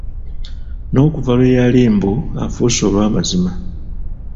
N'okuva lwe yali mbu afuuse owaamazima.